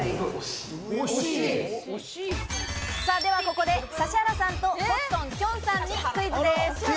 ではここで指原さんと、コットン・きょんさんにクイズです。